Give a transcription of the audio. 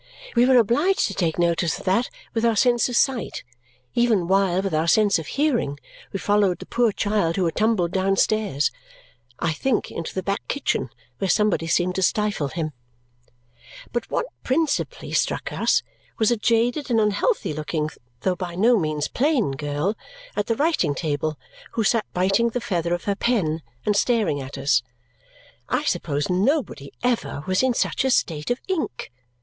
We were obliged to take notice of that with our sense of sight, even while, with our sense of hearing, we followed the poor child who had tumbled downstairs: I think into the back kitchen, where somebody seemed to stifle him. But what principally struck us was a jaded and unhealthy looking though by no means plain girl at the writing table, who sat biting the feather of her pen and staring at us. I suppose nobody ever was in such a state of ink.